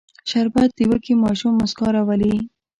شربت د وږي ماشوم موسکا راولي